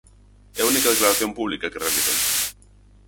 É a única declaración pública que realizan.